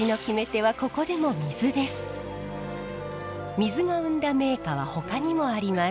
水が生んだ銘菓はほかにもあります。